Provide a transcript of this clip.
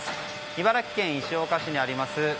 茨城県石岡市にあります